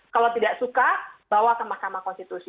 kalau tidak suka bawa ke mahkamah konstitusi